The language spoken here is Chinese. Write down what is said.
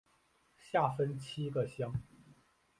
下分七个乡。